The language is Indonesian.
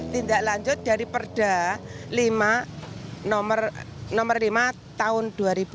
tindak lanjut dari perda nomor lima tahun dua ribu dua puluh